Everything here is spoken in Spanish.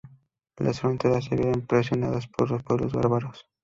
Las fronteras se vieron presionadas por pueblos bárbaros.